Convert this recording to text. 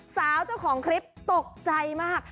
สาวเจ้าของคลิปตกใจมาก